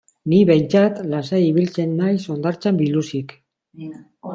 Ni behintzat lasai ibiltzen naiz hondartzan biluzik.